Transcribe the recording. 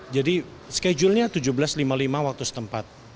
jadi schedule nya tujuh belas lima puluh lima waktu setempat